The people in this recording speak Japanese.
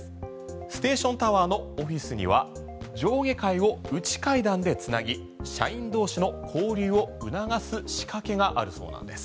ステーションタワーのオフィスには上下階を内階段で繋ぎ社員同士の交流を促す仕掛けがあるそうなんです。